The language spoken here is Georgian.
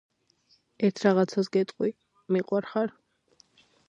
ერთ რაღაცას გეტყვი.მიყვარხარ